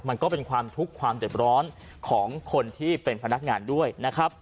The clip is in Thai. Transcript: มันก็เป็นความทุกข์ความเด็ดร้อนของคนที่เป็นพนักงานด้วยนะครับ